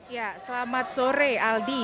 ya selamat sore aldi